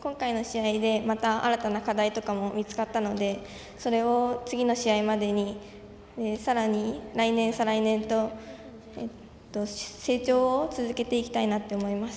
今回の試合でまた新たな課題とかも見つかったのでそれを、次の試合までにさらに来年、再来年と成長を続けていきたいと思います。